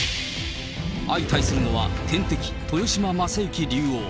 相対するのは、天敵、豊島将之竜王。